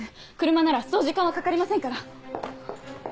車ならそう時間はかかりませんから！